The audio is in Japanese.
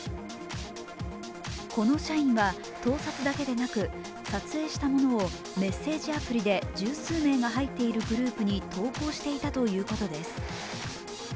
この社員は盗撮だけでなく、撮影したものをメッセージアプリで十数名が入っているグループに投稿していたということです。